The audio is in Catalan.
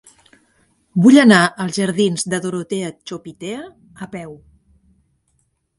Vull anar als jardins de Dorotea Chopitea a peu.